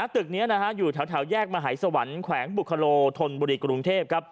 ตึกนี้อยู่แถวแยกมหายสวรรค์แขวงบุคโลธนบุรีกรุงเทพ